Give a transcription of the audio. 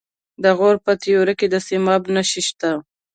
د غور په تیوره کې د سیماب نښې شته.